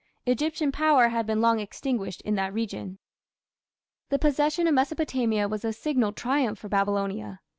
Egyptian power had been long extinguished in that region. The possession of Mesopotamia was a signal triumph for Babylonia.